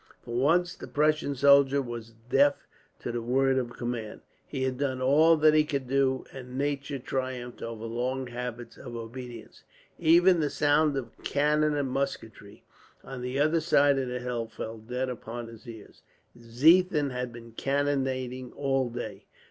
For once the Prussian soldier was deaf to the word of command. He had done all that he could do, and nature triumphed over long habits of obedience; even the sound of cannon and musketry, on the other side of the hill, fell dead upon his ears. Ziethen had been cannonading all day.